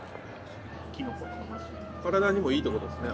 体にもいいってことですね